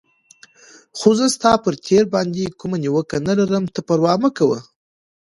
خو زه ستا پر تېر باندې کومه نیوکه نه لرم، ته پروا مه کوه.